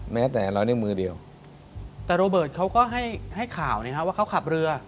แม้แต่รอยนิ้วมือเดียวแต่โรเบิร์ตเขาก็ให้ให้ข่าวนะครับว่าเขาขับเรือ